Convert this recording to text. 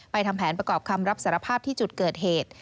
ทำแผนประกอบคำรับสารภาพที่จุดเกิดเหตุ